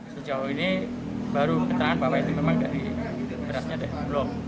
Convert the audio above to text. sejauh ini baru keterangan bahwa itu memang dari berasnya dari blok